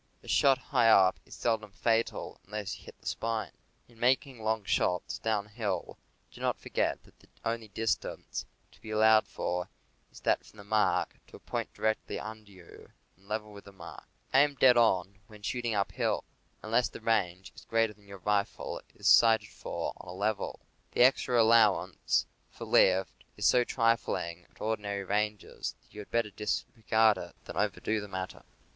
A shot high up is seldom fatal, unless you hit the spine. In making long shots downhill, do not forget that the only distance to be allowed for is that from the mark to a point directly under you and level with the mark. Aim dead on when shooting uphill, unless the range is greater than your rifle is sighted for on a level. The extra allowance for "lift" is so trifling at ordinary ranges that you had better disregard it than overdo the matter.